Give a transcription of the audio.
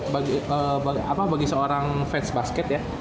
bagi apa bagi seorang fans basket ya